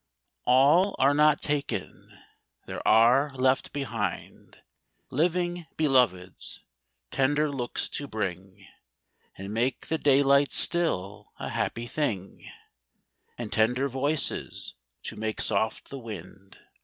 A LL are not taken ! there are left behind Living Beloveds, tender looks to bring, And make the daylight still a happy thing, And tender voices, to make soft the wind.